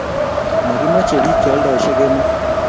Makimache pik che aldaishe kemo